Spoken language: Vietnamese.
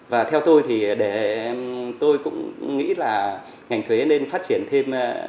và theo tôi thì tôi cũng nghĩ là ngành thuế nên phát triển thêm